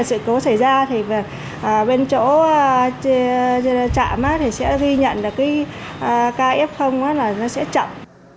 sự cố xảy ra thì bên chỗ trạm thì sẽ ghi nhận là cái ca f là nó sẽ chậm